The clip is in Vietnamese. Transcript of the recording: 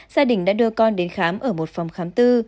gia đình đã đưa con đến khám ở một phòng khám tư